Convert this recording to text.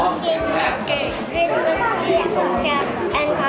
susah gak tadi bikinnya